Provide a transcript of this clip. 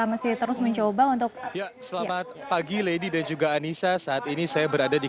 masih terus mencoba untuk ya selamat pagi lady dan juga anissa saat ini saya berada di